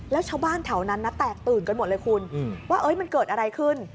แล้วชาวบ้านแถวนั้นนะแตกตื่นกันหมดเลยคุณว่ามันเกิดอะไรขึ้น